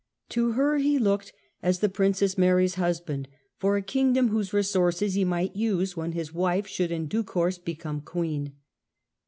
To her he looked, as the Princess Mary's husband, for a kingdom whose resources he might use when his wife should in due course become Queen.